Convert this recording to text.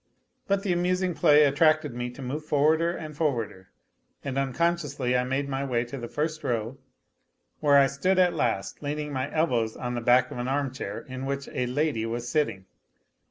But the amusing play attracted me to move forwarder and forwarder, and uncon sciously I made my way to the first row, where I stood at last leaning my elbows on the back of an armchair, in which a lady was sitting.